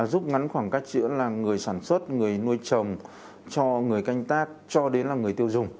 giúp ngắn khoảng cách giữa là người sản xuất người nuôi trồng cho người canh tác cho đến là người tiêu dùng